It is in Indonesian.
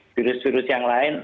virus virus yang lain